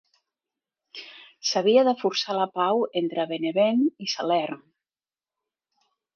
S'havia de forçar la pau entre Benevent i Salern.